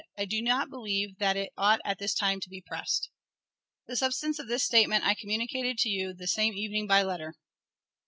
I do not believe that it ought, at this time, to be pressed." The substance of this statement I communicated to you the same evening by letter.